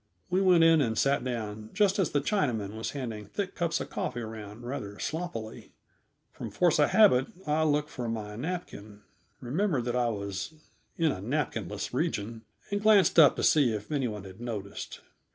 We went in and sat down just as the Chinaman was handing thick cups of coffee around rather sloppily. From force of habit I looked for my napkin, remembered that I was in a napkinless region, and glanced up to see if any one had noticed.